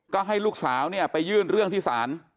ก็ให้ลูกสาวเนี่ยไปยื่นเรื่องที่ศาล